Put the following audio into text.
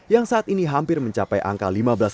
yang saat ini hampir mencapai angka lima belas